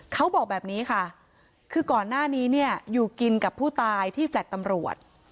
เขาบอกแบบนี้ค่ะคือก่อนหน้านี้เนี่ยอยู่กินกับผู้ตายที่แฟลต์ตำรวจ